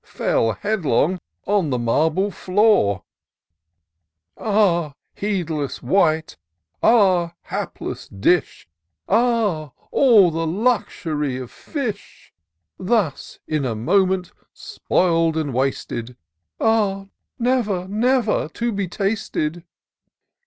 Fell headlong on the marble floor ! Ah, heedless wight ! ah, hapless dish ! Ah ! all the luxury of fish ! Thus in a moment spoil'd and wasted ; Ah! never, never to be tasted!